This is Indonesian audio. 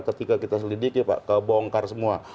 ketika kita selidiki pak kebongkar semua